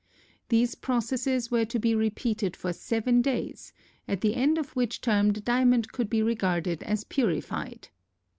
These processes were to be repeated for seven days, at the end of which term the diamond could be regarded as purified.